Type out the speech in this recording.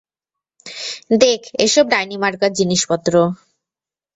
দেখ এসব ডাইনিমার্কা জিনিসপত্র।